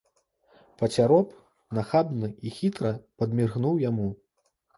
Пацяроб нахабна і хітра падміргнуў яму.